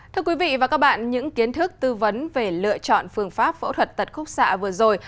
thưa quý vị và các bạn những kiến thức tư vấn về lựa chọn phương pháp phẫu thuật tật khúc xạ vừa rồi